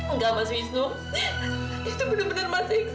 enggak mas wisnu itu benar benar masa iksan